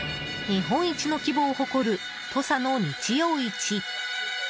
日本一の規模を誇る土佐の日曜市。